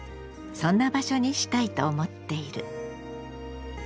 そんな場所にしたいと思っている。